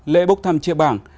lễ bốc thăm chia bảng